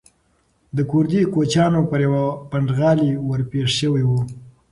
د کوردي کوچیانو پر یوه پنډغالي ورپېښ شوی و.